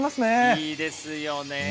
いいですよね。